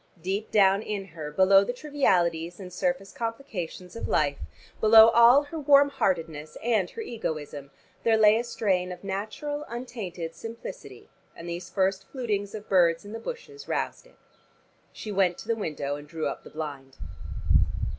Deep down in her, below the trivialities and surface complications of life, below all her warm heartedness and her egoism there lay a strain of natural untainted simplicity, and these first flutings of birds in the bushes roused it. She went to the window and drew up the blind.